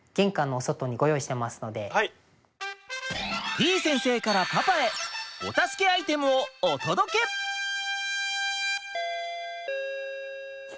てぃ先生からパパへお助けアイテムをお届け！来た。